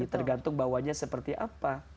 tergantung bawanya seperti apa